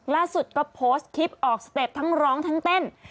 ล่าสุดก็โพสต์คลิปออกสเต็ปทั้งร้องทั้งเต้น